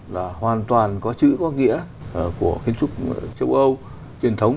là hoàn toàn có chữ có nghĩa của kiến trúc châu âu truyền thống